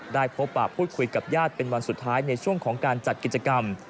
พบปากพูดคุยกับญาติเป็นวันสุดท้ายในช่วงของการจัดกิจกรรม